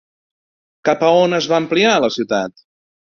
Cap a on es va ampliar la ciutat?